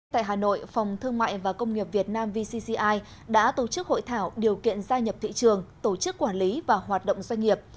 tại hà nội phòng thương mại và công nghiệp việt nam vcci đã tổ chức hội thảo điều kiện gia nhập thị trường tổ chức quản lý và hoạt động doanh nghiệp